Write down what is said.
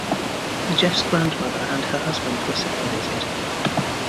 Jeff's grandmother and her husband were separated.